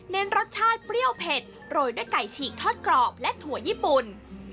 รสชาติเปรี้ยวเผ็ดโรยด้วยไก่ฉีกทอดกรอบและถั่วญี่ปุ่น